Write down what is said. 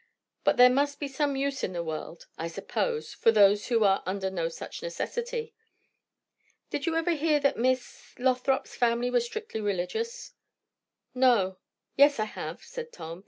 But there must be some use in the world, I suppose, for those who are under no such necessity. Did you ever hear that Miss Lothrop's family were strictly religious?" "No yes, I have," said Tom.